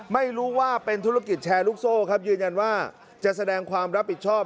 ไม่รู้ว่าเป็นธุรกิจแชร์ลูกโซ่ครับยืนยันว่าจะแสดงความรับผิดชอบ